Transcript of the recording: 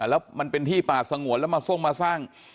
แล้วมันเป็นที่ป่าสงวนแล้วมาทรงมาสร้าง